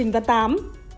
trình văn tám